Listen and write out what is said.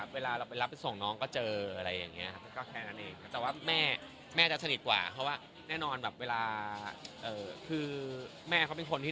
เปลี่ยนที่กินเปลี่ยนที่เที่ยวแล้วก็แค่ว่าไปอยู่ในที่